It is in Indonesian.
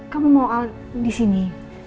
kamu mau di sini